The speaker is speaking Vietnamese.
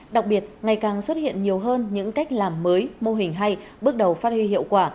đặc biệt ngày càng xuất hiện nhiều hơn những cách làm mới mô hình hay bước đầu phát huy hiệu quả